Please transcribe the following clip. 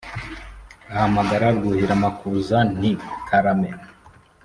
ahamagara rwuhiramakuza, nti: karame